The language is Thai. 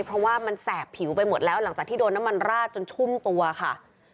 เพราะว่ามันแสบผิวไปหมดแล้วหลังจากที่โดนน้ำมันราดจนชุ่มตัวค่ะ